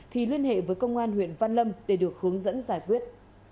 thì liên hệ với công an huyện văn lâm để được hướng dẫn giải quyết